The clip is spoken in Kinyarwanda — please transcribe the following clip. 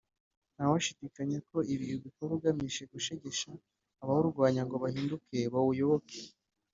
ntawashidikanya ko ibi ubikora ugamije gushegesha abawurwanya ngo bahinduke bawuyoboke